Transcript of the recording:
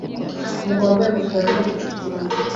Umugabo wambaye ingofero arimo gucukura